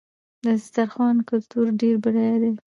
د دسترخوان کلتور ډېر بډایه دی.